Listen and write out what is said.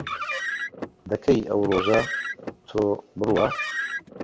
دەکەی ئەو ڕۆژە تۆ بڕوا